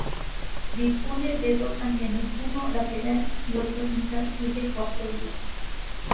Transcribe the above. Dispone de dos andenes uno lateral y otro central y de cuatro vías.